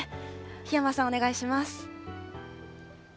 檜山さん、お願いします。